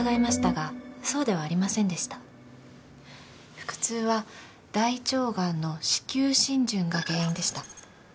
腹痛は大腸癌の子宮浸潤が原因でした。